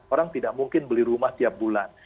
orang tidak mungkin beli rumah tiap bulan